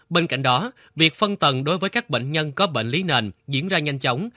bên cạnh đó việc phân tầng đối với các bệnh nhân có bệnh lý nền diễn ra nhanh chóng